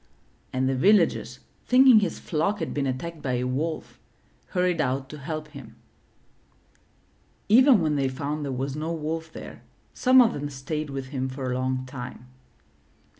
'' and the villagers, thinking his flock had been attacked by a wolf, hurried out to help him. Even when they found there was no wolf there, some of them stayed with him for a long time.